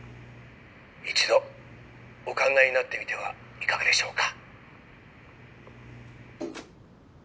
一度お考えになってみてはいかがでしょうか。